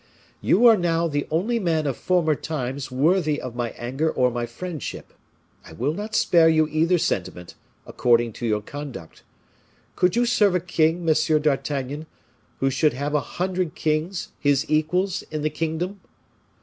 You are now the only man of former times worthy of my anger or my friendship. I will not spare you either sentiment, according to your conduct. Could you serve a king, Monsieur d'Artagnan, who should have a hundred kings, his equals, in the kingdom?